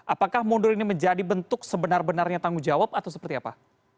apakah mundur ini menjadi bentuk sebenar benarnya tanggung jawab atau seperti apa